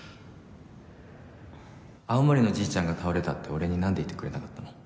青森のじいちゃんが倒れたって俺になんで言ってくれなかったの？